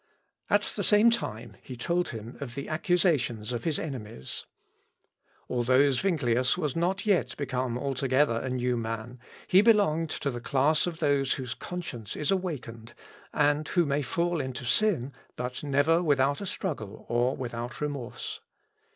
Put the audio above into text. At the same time he told him of the accusations of his enemies. Although Zuinglius was not yet become altogether a new man, he belonged to the class of those whose conscience is awakened, and who may fall into sin, but never without a struggle, or without remorse.